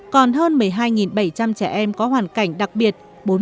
còn hơn một mươi hai bảy trăm linh trẻ em có hoàn cảnh đặc biệt